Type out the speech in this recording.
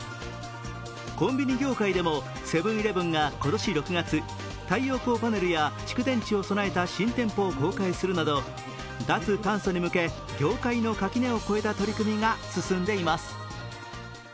コンビニ業界でもセブン−イレブンが今年６月、太陽光パネルや蓄電池を備えた新店舗を公開するなど脱炭素に向け、業界の垣根を越えた取り組みが進んでいます。